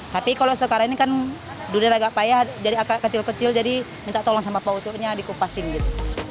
tapi kalau sekarang ini kan durian agak payah jadi agak kecil kecil jadi minta tolong sama pak ucuknya dikupasin gitu